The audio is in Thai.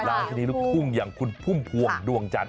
ราชินีลูกทุ่งคุณพุ่มพวงดวงจันทร์